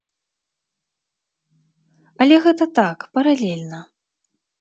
Але гэта так, паралельна.